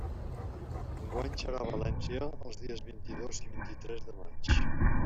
Enguany serà a València, els dies vint-i-dos i vint-i-tres de maig.